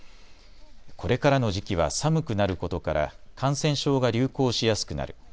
これからの時期は寒くなることから感染症が流行しやすくなる。